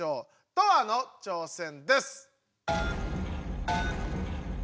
トアの挑戦です！